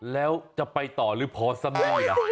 แล้วจะไปต่อหรือพอซะหน่อยนะ